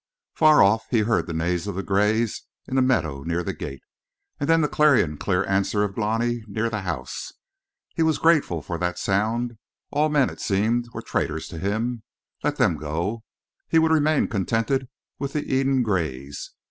Far off, he heard the neigh of the grays in the meadow near the gate, and then the clarion clear answer of Glani near the house. He was grateful for that sound. All men, it seemed, were traitors to him. Let them go. He would remain contented with the Eden Grays.